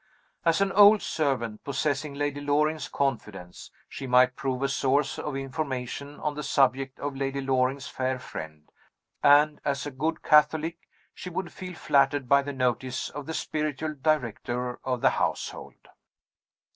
As an old servant, possessing Lady Loring's confidence, she might prove a source of information on the subject of Lady Loring's fair friend; and, as a good Catholic, she would feel flattered by the notice of the spiritual director of the household.